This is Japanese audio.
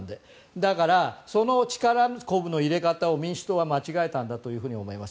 だから、その力こぶの入れ方を民主党は間違えたんだと思います。